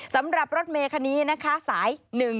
สำหรับรถเมคันนี้นะคะสาย๑๒